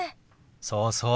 そうそう。